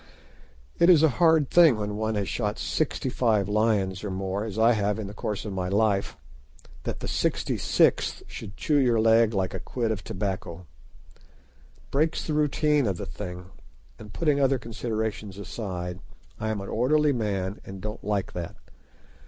It is a hard thing when one has shot sixty five lions or more, as I have in the course of my life, that the sixty sixth should chew your leg like a quid of tobacco. It breaks the routine of the thing, and putting other considerations aside, I am an orderly man and don't like that.